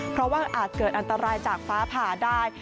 เพราะว่าอาจเกิดอันตรายจากฟ้าผ่าได้